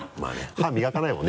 歯磨かないもんね